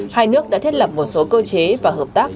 hai nước đã thiết lập một số cơ chế và hợp tác